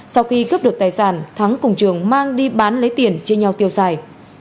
sau khi cướp được tài sản thắng cùng trường mang đi bán lấy tiền chia nhau tiêu xài